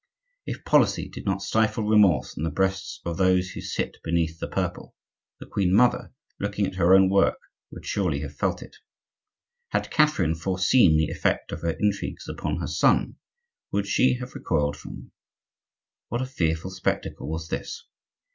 If policy did not stifle remorse in the breasts of those who sit beneath the purple, the queen mother, looking at her own work, would surely have felt it. Had Catherine foreseen the effect of her intrigues upon her son, would she have recoiled from them? What a fearful spectacle was this!